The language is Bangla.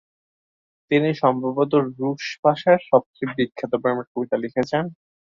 তিনি সম্ভবত রুশ ভাষার সবচেয়ে বিখ্যাত প্রেমের কবিতা লিখেছেন।